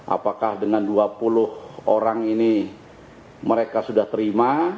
apakah dengan dua puluh orang ini mereka sudah terima